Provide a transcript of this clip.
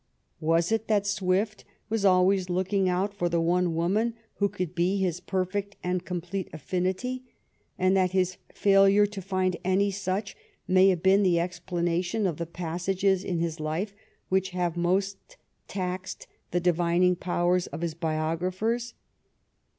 Was it that Swift was always looking out for the one woman who could be his perfect and com plete affinity, and that his failure to find any such may have been the explanation of the passages in his life which have most taxed the divining powers of his biographers?